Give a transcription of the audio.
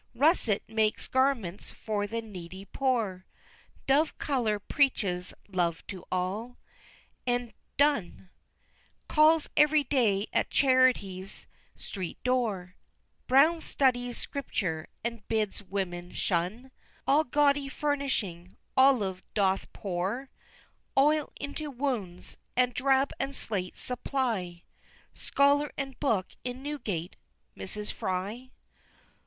Russet makes garments for the needy poor Dove color preaches love to all and dun Calls every day at Charity's street door Brown studies scripture, and bids woman shun All gaudy furnishing olive doth pour Oil into wounds: and drab and slate supply Scholar and book in Newgate, Mrs. Fry!